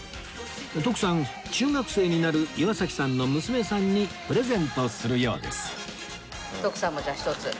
徳さん中学生になる岩崎さんの娘さんにプレゼントするようです